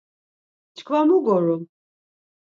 Çkva mu gorum!